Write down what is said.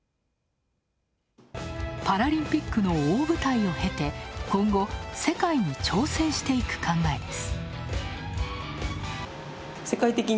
パラリンピックの大舞台を経て今後、世界に挑戦していく考えです。